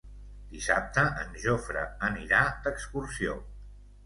Dissabte en Jofre anirà d'excursió.